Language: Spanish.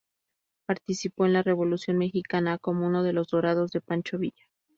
Participó en la revolución mexicana como uno de los dorados de Pancho Villa.